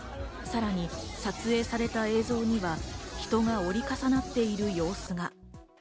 さらに撮影された映像には人が折り重なっている様子が。